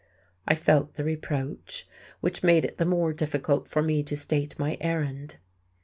I felt the reproach, which made it the more difficult for me to state my errand.